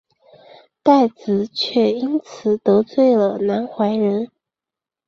戴梓却因此得罪了南怀仁。